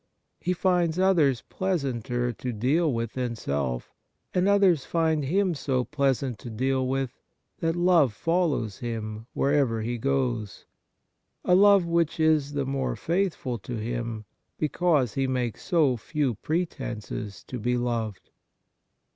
He finds others pleasanter to deal with than self ; and others find him so pleasant to deal with that love follows him wherever he goes — a love which is the more faithful to him because he makes so few pretences to be loved.